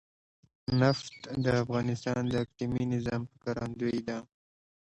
نفت د افغانستان د اقلیمي نظام ښکارندوی ده.